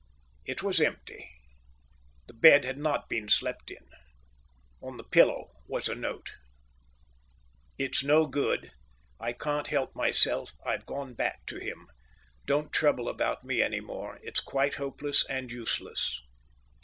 It was empty. The bed had not been slept in. On the pillow was a note. It's no good; I can't help myself. I've gone back to him. Don't trouble about me any more. It's quite hopeless and useless.